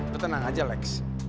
ketenang aja lex